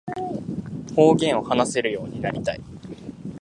方言を話せるようになりたい